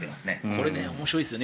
これ面白いですよね。